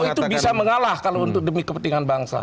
itu bisa mengalah kalau untuk demi kepentingan bangsa